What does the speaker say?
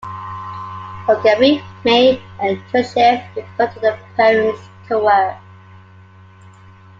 Ogarev, Mey, and Tyutchev devoted their poems to her.